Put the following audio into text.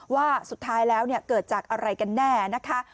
ว่าสุดท้ายแล้วเกิดจากอะไรกันแน่นะคะ